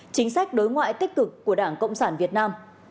chính sách đối ngoại tích cực của đảng cộng sản việt nam